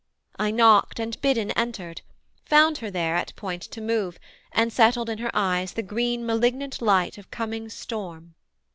I knocked and, bidden, entered; found her there At point to move, and settled in her eyes The green malignant light of coming storm.